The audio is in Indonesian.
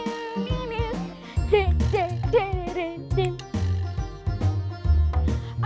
allah dan disuruh